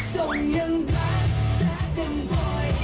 ตรงอย่างแบดแซดอย่างบ่อย